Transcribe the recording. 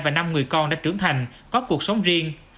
và năm người con đã trưởng thành có cuộc sống riêng